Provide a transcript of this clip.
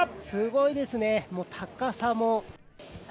すごいですね、高さも。